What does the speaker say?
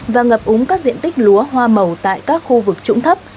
và ngập úng các diện tích lúa hoa màu tại các khu vực trũng thấp